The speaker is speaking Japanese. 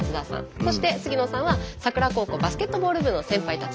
そして杉野さんは佐倉高校バスケットボール部の先輩たち。